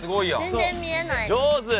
全然見えない。